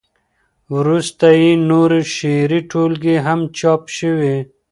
وروسته یې نورې شعري ټولګې هم چاپ شوې.